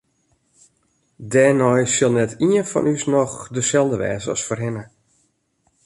Dêrnei sil net ien fan ús noch deselde wêze as foarhinne.